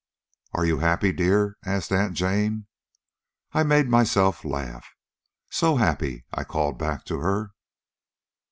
"'Are you happy, dear?' asked Aunt Jane. "I made myself laugh. 'So happy!' I called back to her.